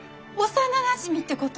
幼なじみってこと？